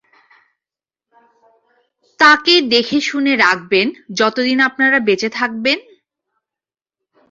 তাকে দেখেশুনে রাখবেন, যতদিন আপনারা বেঁচে থাকবেন?